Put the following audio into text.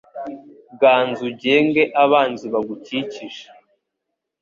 Ganza ugenge abanzi bagukikije